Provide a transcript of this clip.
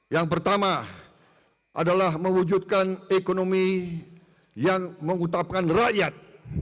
yang pertama adalah mewujudkan ekonomi yang mengutapkan rakyat